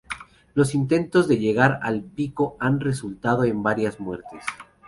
Los intentos de llegar al pico han resultado en varias muertes.